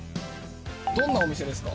どんなお店ですか？